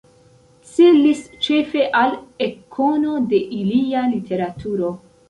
Celis ĉefe al ekkono de ilia literaturo.